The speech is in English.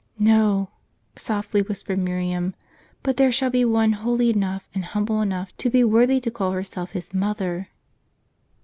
" No," softly whispered Miriam ;" but there shall be one holy enough, and humble enough, to be worthy to call herself His mother